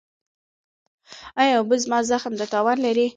ایا اوبه زما زخم ته تاوان لري؟